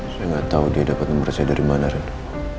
saya gak tau dia dapat nomor saya dari mana raina